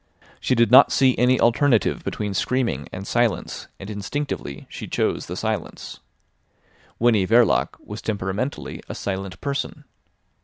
She did not see any alternative between screaming and silence, and instinctively she chose the silence. Winnie Verloc was temperamentally a silent person.